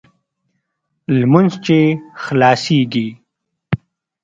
لمونځ چې خلاصېږي.